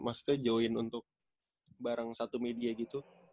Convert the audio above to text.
maksudnya join untuk barang satu media gitu